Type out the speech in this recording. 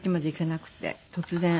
突然。